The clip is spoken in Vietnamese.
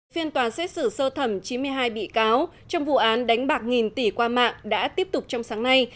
phiên tòa xét xử sơ thẩm chín mươi hai bị cáo trong vụ án đánh bạc nghìn tỷ qua mạng đã tiếp tục trong sáng nay